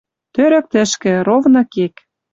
Тӧрӧк тӹшкӹ, ровны кек.